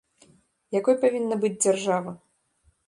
Якой павінна быць дзяржава?